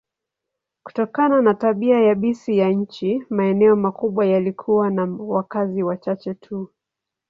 Kutokana na tabia yabisi ya nchi, maeneo makubwa yalikuwa na wakazi wachache tu.